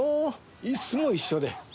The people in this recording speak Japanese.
いつも一緒で。